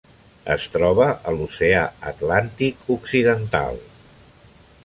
Es troba a l'Oceà Atlàntic occidental: